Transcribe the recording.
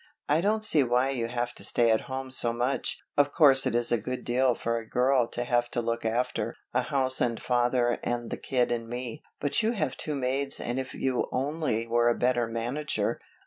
I don't see why you have to stay at home so much. Of course it is a good deal for a girl to have to look after, a house and father and the kid and me, but you have two maids and if you only were a better manager.